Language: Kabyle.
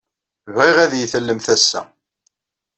Bɣiɣ ad iyi-tallemt ass-a.